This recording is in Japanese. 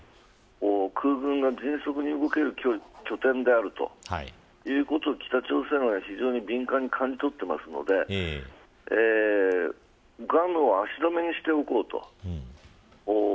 空軍が迅速に動ける拠点であるということを北朝鮮は敏感に感じ取っているのでグアムを足止めにしておこうと。